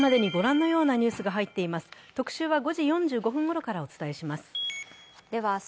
特集は５時４５分ごろからお伝えします。